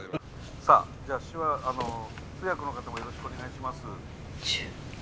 さあ通訳の方もよろしくお願いします。